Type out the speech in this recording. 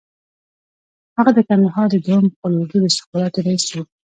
هغه د کندهار د دوهم قول اردو د استخباراتو رییس وو.